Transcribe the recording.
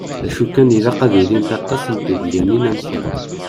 D acu kan ilaq ad ilint waṭas n tedyanin am ti.